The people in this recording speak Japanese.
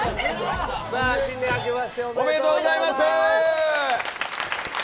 新年あけましておめでとうございます。